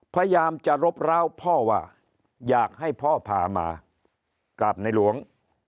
พยายามจะรบร้าวพ่อว่าอยากให้พ่อพามากราบในหลวง